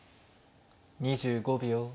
２５秒。